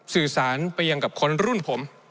สื่อสารไปยังกับคนรุ่นผม